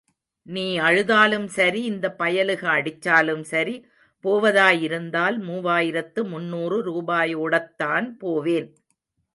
நீ அழுதாலும் சரி... இந்த பயலுக அடிச்சாலும் சரி... போவதாய் இருந்தால், மூவாயிரத்து முந்நூறு ரூபாயோடத்தான் போவேன்.